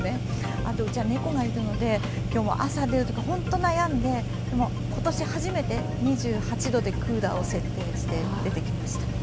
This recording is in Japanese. あと、うちは猫がいるので今日は朝出るとき、本当悩んで今年、初めて２８度でクーラーを設定して出てきました。